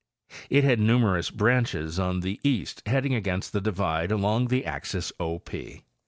It had numerous branches on the east heading against the divide along the axis O P.